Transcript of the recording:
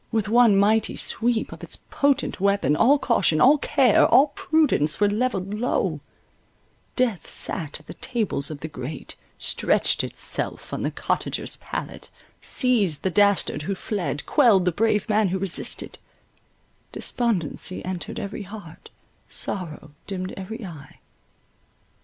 With one mighty sweep of its potent weapon, all caution, all care, all prudence were levelled low: death sat at the tables of the great, stretched itself on the cottager's pallet, seized the dastard who fled, quelled the brave man who resisted: despondency entered every heart, sorrow dimmed every eye.